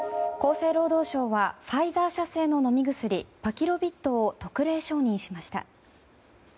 厚生労働省はファイザー社製の飲み薬パキロビッドを特例承認しました。